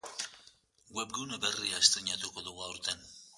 Webgune berria estreinatuko dugu aurten.